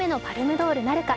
ドールなるか。